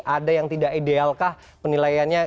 ada yang tidak idealkah penilaiannya